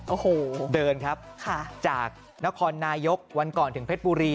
โอ้โหเดินครับจากนครนายกวันก่อนถึงเพชรบุรี